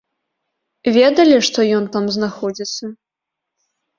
Ведалі, што ён там знаходзіцца?